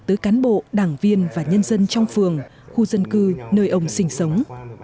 tới cán bộ đảng viên và nhân dân trong phường khu dân cư nơi ông sinh sống